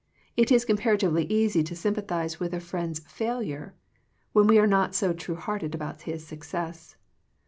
It is compar atively easy to sympathize with a friend's failure, when we are not so true hearted about his success.